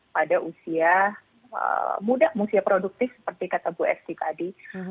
pada usia muda usia produktif seperti kata bu esti tadi